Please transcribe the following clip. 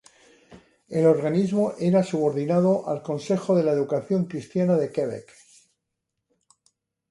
El organismo era subordinado al Consejo de la educación cristiana de Quebec.